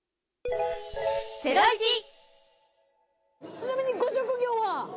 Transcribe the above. ちなみにご職業は？